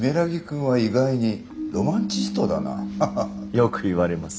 よく言われます。